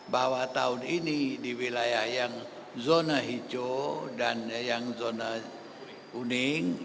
bahwa tahun ini di wilayah yang zona hijau dan yang zona kuning